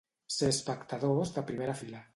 Ser espectadors de primera fila.